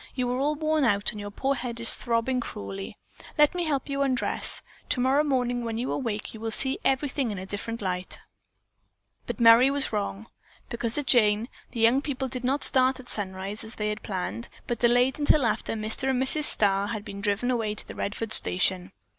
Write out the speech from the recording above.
You are all worn out and your poor head is throbbing cruelly. Let me help you undress. Tomorrow morning when you awake you will see everything in a different light." But Merry was wrong. Because of Jane, the young people did not start at sunrise as they had planned, but delayed until after Mr. and Mrs. Starr had been driven away to the Redfords station.